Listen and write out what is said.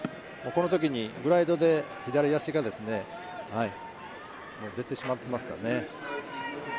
このときにグライドで左足が出てしまっていましたね。